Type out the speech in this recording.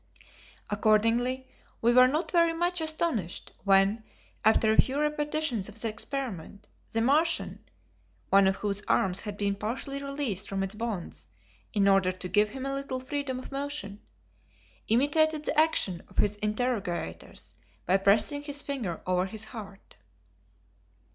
Accordingly we were not very much astonished, when, after a few repetitions of the experiment, the Martian one of whose arms had been partially released from its bonds in order to give him a little freedom of motion imitated the action of his interrogators by pressing his finger over his heart.